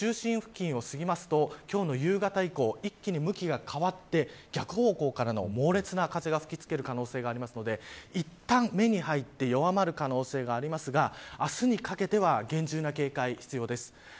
風向きが中心付近を過ぎますと今日の夕方以降一気に向きが変わって逆方向からの猛烈な風が吹き付ける可能性があるのでいったん、目に入って弱まる可能性がありますが明日にかけては厳重な警戒、必要です。